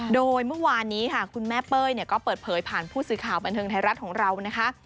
โดยเมื่อวานนี้ค่ะคุณแม่เป้ยก็เปิดเผยผ่านผู้สื่อข่าวบันเทิงไทยรัฐของเรานะคะ